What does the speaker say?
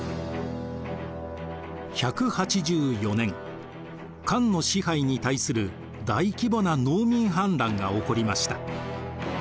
１８４年漢の支配に対する大規模な農民反乱が起こりました。